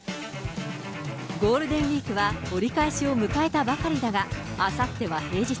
ゴールデンウィークは、折り返しを迎えたばかりだが、あさっては平日。